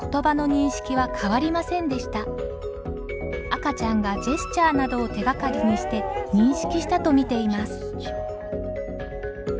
赤ちゃんがジェスチャーなどを手がかりにして認識したと見ています。